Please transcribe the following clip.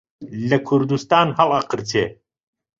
لە کوردستان هەڵئەقرچێ